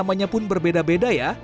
namanya pun berbeda beda ya